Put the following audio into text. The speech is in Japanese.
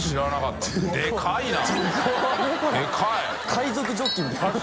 海賊ジョッキみたいな